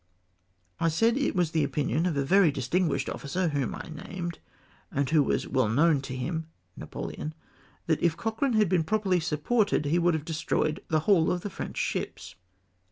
" I said it was the opinion of a very distinguished ofiicer, whom I named, and who was well known to him (Napoleon), that if Cochrane had been properly supported, he would have destroyed the whole of the French ships.